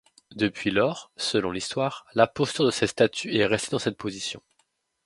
Depuis lors, selon l'histoire, la posture de cette statue est restée dans cette position.